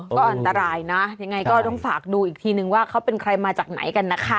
ก็อันตรายนะยังไงก็ต้องฝากดูอีกทีนึงว่าเขาเป็นใครมาจากไหนกันนะคะ